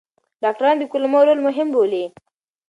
ډاکټران د کولمو رول مهم بولي.